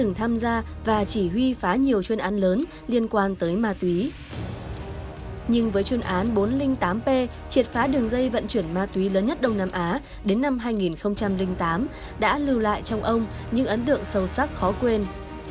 nhưng với chuyên án bốn trăm linh tám p triệt phá đường dây vận chuyển ma túy lớn nhất đông nam á đến năm hai nghìn tám đã lưu lại trong ông những ấn tượng sâu sắc khó quên